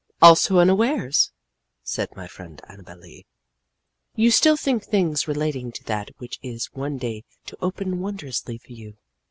"Also unawares," said my friend Annabel Lee, "you still think things relating to that which is one day to open wondrously for you.